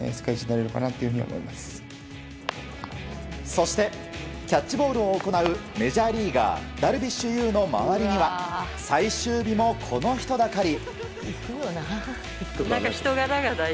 そして、キャッチボールを行うメジャーリーガーダルビッシュ有の周りには最終日もこの人だかり。